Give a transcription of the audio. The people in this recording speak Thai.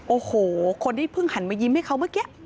โอ้โหคนที่เพิ่งหันมายิ้มให้เขาเมื่อกี้